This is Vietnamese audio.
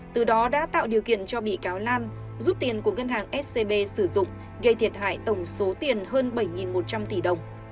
từ đó đã tạo điều kiện cho bị cáo lan rút tiền của ngân hàng scb sử dụng gây thiệt hại tổng số tiền hơn bảy một trăm linh tỷ đồng